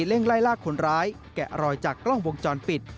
เร่งไล่ลากคนร้ายแกะรอยจากกล้องวงจรปิด